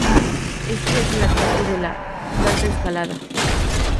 Este es el ataque de la "plata escalada".